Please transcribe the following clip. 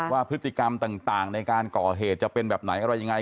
ว่าพฤติกรรมต่างในการก่อเหตุจะเป็นแบบไหนอะไรยังไง